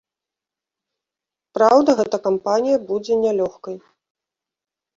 Праўда, гэта кампанія будзе не лёгкай.